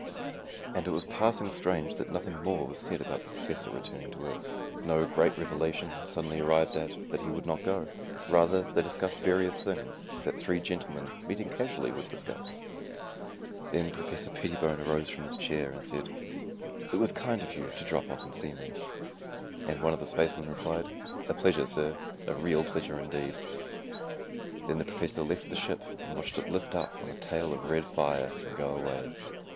And it was passing strange that nothing more was said about the Professor returning to Earth. No great revelation, suddenly arrived at, that he would not go. Rather, they discussed various things, that three gentlemen, meeting casually, would discuss. Then Professor Pettibone arose from his chair and said, "It was kind of you to drop off and see me." And one of the spacemen replied, "A pleasure, sir. A real pleasure indeed." Then the Professor left the ship and watched it lift up on a tail of red fire and go away.